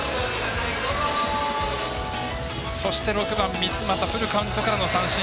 そして、６番の三ツ俣フルカウントからの三振。